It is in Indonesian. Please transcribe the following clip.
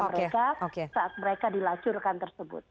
menggunakan jasa jasa mereka saat mereka dilacurkan tersebut